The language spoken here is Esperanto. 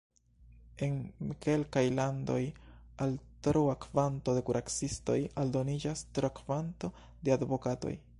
En kelkaj landoj, al troa kvanto de kuracistoj aldoniĝas troa kvanto de advokatoj.